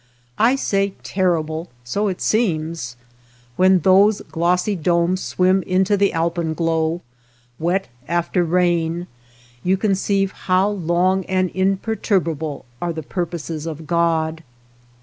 I ( say terrible ; so it seems. When those glossy domes swim into the alpenglow, / wet after rain, you conceive how long and imperturbable are the purposes of God.